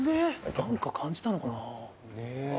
何か感じたのかな？